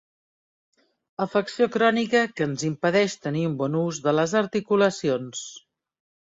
Afecció crònica que ens impedeix tenir un bon ús de les articulacions.